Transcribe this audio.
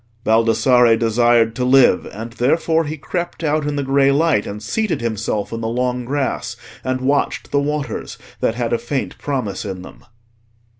Baldassarre desired to live; and therefore he crept out in the grey light, and seated himself in the long grass, and watched the waters that had a faint promise in them.